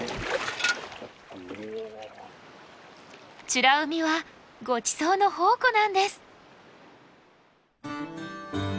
美ら海はごちそうの宝庫なんです。